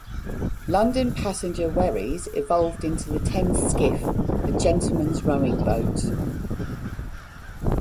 London passenger wherries evolved into the Thames skiff, a gentleman's rowing boat.